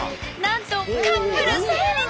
なんとカップル成立！